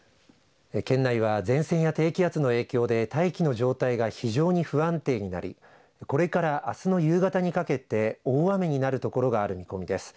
県内は前線や低気圧の影響で大気の状態が非常に不安定になりこれからあすの夕方にかけて大雨になるところがある見込みです。